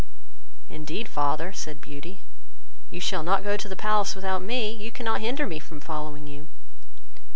"Indeed, father (said Beauty), you shall not go to the palace without me, you cannot hinder me from following you."